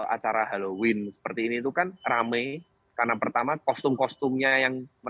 acara halloween seperti ini tuh kan rame karena pertama kostum kostum nya yang